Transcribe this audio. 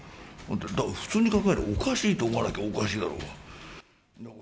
だから普通に考えればおかしいと思わなきゃおかしいだろうが。